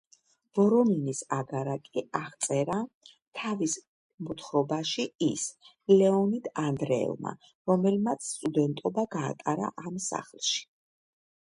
ვორონინის აგარაკი აღწერა თავის მოთხრობაში „ის“ ლეონიდ ანდრეევმა, რომელმაც სტუდენტობა გაატარა ამ სახლში.